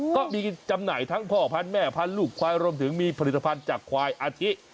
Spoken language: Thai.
ก็มีจำหน่ายทั้งพ่อพันธุ์แม่พันธุ์ลูกควายรวมถึงมีผลิตภัณฑ์จากควายอาทิ